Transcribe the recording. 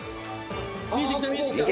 見えてきた見えてきた。